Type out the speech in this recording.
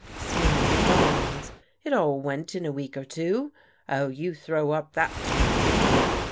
sneered Bamcs. •* It all went in a week or two. Oh, you throw up that to me, do you